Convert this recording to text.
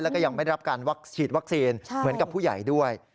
แล้วก็ยังไม่ได้รับการฉีดวัคซีนเหมือนกับผู้ใหญ่ด้วย